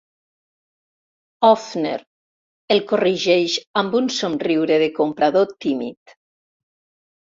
Öffner —el corregeix amb un somriure de comprador tímid—.